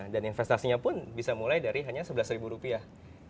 dan investasinya pun bisa mulai dari hanya sebelas ribu rupiah